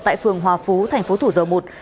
tại phường hòa phú thành phố thủ dầu một